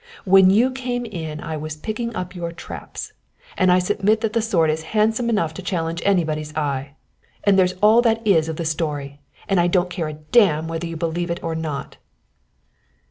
When you came in I was picking up your traps, and I submit that the sword is handsome enough to challenge anybody's eye. And there's all there is of the story, and I don't care a damn whether you believe it or not."